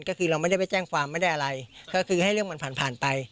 ก็คือเราไม่ได้ไปแจ้งความไม่ได้อะไรก็คือให้เรื่องมันผ่านผ่านไป